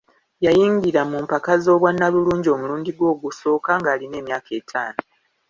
Yayingira mu mpaka z'obwannalulungi omulundi gwe ogusooka ng'alina emyaka etaano.